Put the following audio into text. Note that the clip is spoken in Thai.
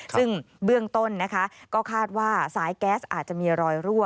ซึ่งเบื้องต้นนะคะก็คาดว่าสายแก๊สอาจจะมีรอยรั่ว